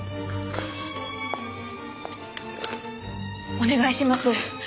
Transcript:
お願いします。